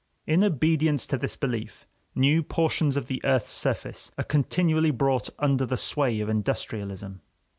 In obedience to this belief, new portions of the earth's surface are continually brought under the sway of industrialism.